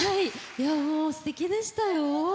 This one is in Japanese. もう、すてきでしたよ。